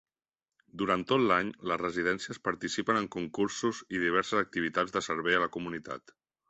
Durant tot l'any, les residències participen en concursos i diverses activitats de servei a la comunitat.